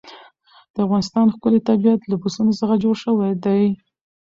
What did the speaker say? د افغانستان ښکلی طبیعت له پسونو څخه جوړ شوی دی.